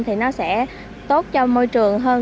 thì nó sẽ tốt cho môi trường hơn